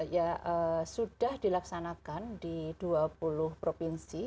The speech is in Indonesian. ya sudah dilaksanakan di dua puluh provinsi